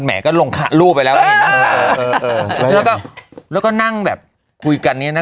ก็แหมก็ลงขะรูปไปแล้วเออเออเออแล้วก็แล้วก็นั่งแบบคุยกันนี้น่ะ